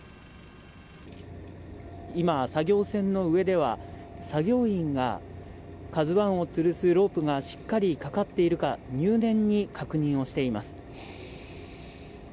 今、作業船の上では作業員が「ＫＡＺＵ１」をつるすロープがしっかりかかっているか入念に確認をしています。